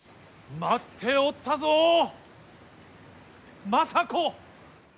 待っておったぞ、政子。